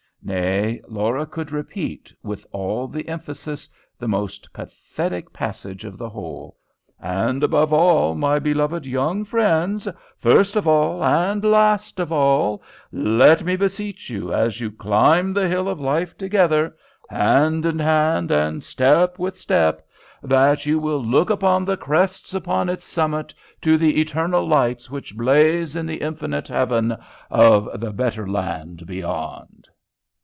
Nay, Laura could repeat, with all the emphasis, the most pathetic passage of the whole, "And above all, my beloved young friends, first of all and last of all, let me beseech you as you climb the hill of life together, hand with hand, and step with step, that you will look beyond the crests upon its summit to the eternal lights which blaze in the infinite heaven of the Better Land beyond."